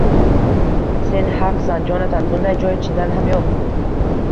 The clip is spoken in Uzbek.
— Sen haqsan, Jonatan, bunday joy chindan ham yo‘q.